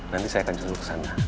nanti saya akan curug ke sana